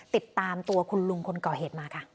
ติดตามตัวคุณลุงคนก่อเหตุมาค่ะ